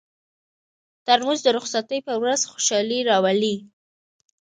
ترموز د رخصتۍ پر ورځ خوشالي راوړي.